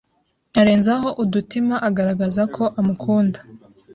arenzaho udutima agaragaza ko amukunda.